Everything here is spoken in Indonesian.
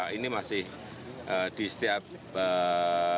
jadi ini masih di setiap kasus provinsi itu berubah